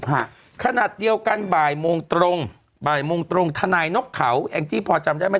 ฮะขนาดเดียวกันบ่ายโมงตรงบ่ายโมงตรงทนายนกเขาแองจี้พอจำได้ไหม